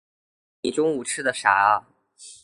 你中午吃的啥啊？